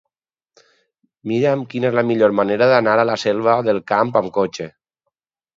Mira'm quina és la millor manera d'anar a la Selva del Camp amb cotxe.